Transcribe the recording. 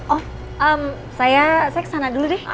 oh saya ke sana dulu deh